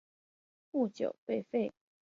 不久被废。